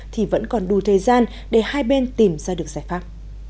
thì vẫn còn đủ thời gian để hai bên tìm ra được giải pháp